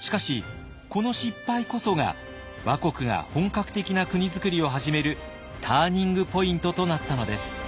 しかしこの失敗こそが倭国が本格的な国づくりを始めるターニングポイントとなったのです。